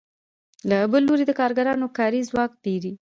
له بل لوري د کارګرانو کاري ځواک پېري